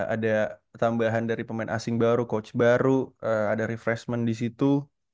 ada tambahan dari pemain asing baru coach baru ada refreshment di situ